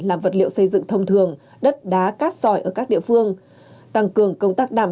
làm vật liệu xây dựng thông thường đất đá cát sỏi ở các địa phương tăng cường công tác đảm